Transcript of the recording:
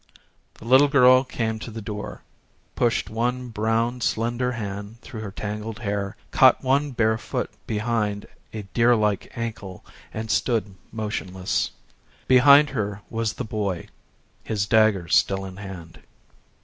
The little girl came to the door, pushed one brown slender hand through her tangled hair, caught one bare foot behind a deer like ankle and stood motionless. Behind her was the boy his dagger still in hand.